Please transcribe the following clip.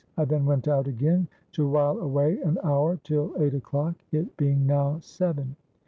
I then went out again to while away an hour till eight o'clock, it being now seven.